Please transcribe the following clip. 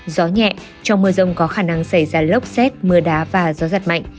gió nhẹ trong mưa rông có khả năng xảy ra lốc xét mưa đá và gió giật mạnh